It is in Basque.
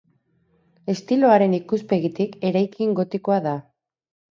Estiloaren ikuspegitik eraikin gotikoa da.